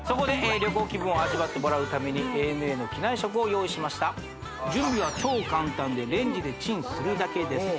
旅行気分を味わってもらうためにＡＮＡの機内食を用意しました準備は超簡単でレンジでチンするだけです